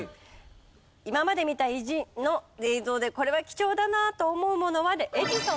今まで見た偉人の映像でこれは貴重だなと思うものは？でエジソン挙げてますが。